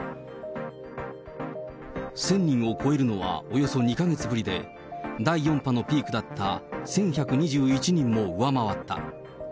１０００人を超えるのはおよそ２か月ぶりで、第４波のピークだった１１２１人を上回った。